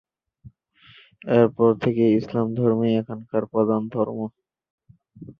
এর পর থেকে খ্রিস্টধর্ম এখানকার প্রধান ধর্ম।